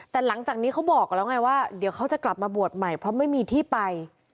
แต่หลังจากนี้เขาบอกแล้วไงว่าเดี๋ยวเขาจะกลับมาบวชใหม่เพราะไม่มีที่ไป